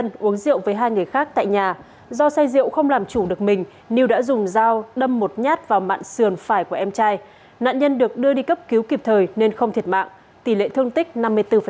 nạn nhân được đưa đi cấp cứu kịp thời nên không thiệt mạng tỷ lệ thương tích năm mươi bốn